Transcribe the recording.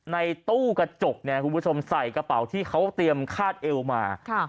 ในตู้กระจกเนี่ยคุณผู้ชมใส่กระเป๋าที่เขาเตรียมคาดเอวมา